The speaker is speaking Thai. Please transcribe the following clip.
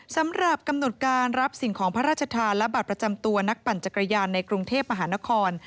สำหรับกำหนดการรับสิ่งของพระราชทานและบัตรประจำตัวนักปั่นจักรยานในกรุงเทพมหานคร